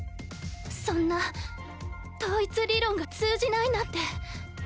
そんな統一理論が通じないなんて。